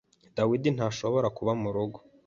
Dawidi ntashobora kuba murugo.